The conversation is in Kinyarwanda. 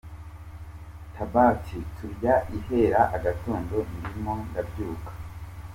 tabati turya ihera agatondo ndimo ndabyuka.